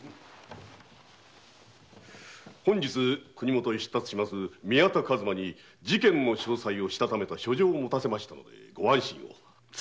本日国許へ出立する宮田数馬に事件の詳細をしたためた書状を持たせましたゆえご安心を。